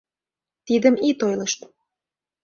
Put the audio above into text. Тидым ит ойлышт!